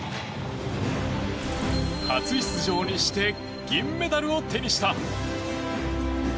初出場にして銀メダルを手にした。